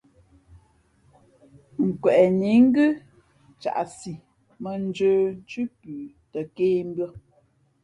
Nkweʼnǐ ngʉ́ caʼsi mᾱndjə̄ nthʉ́ pʉ tαkēmbʉ̄ᾱ.